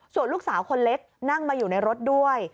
ส่วนลูกสาวคนเล็กนั่งมาอยู่ในรถด้วย